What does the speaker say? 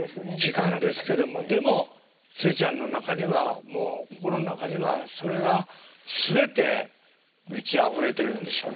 でもツレちゃんの中にはもう心の中にはそれが全て満ちあふれてるんでしょうね。